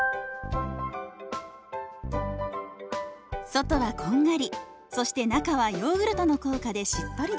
外はこんがりそして中はヨーグルトの効果でしっとりです。